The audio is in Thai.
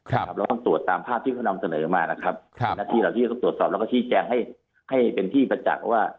เราต้องตรวจตามภาพที่เขานำเสนอมานะครับนักที่เราที่ตรวจสอบแล้วก็ที่แจ้งให้เป็นที่ประจักษ์ว่า